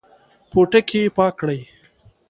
پټکی پاک کړئ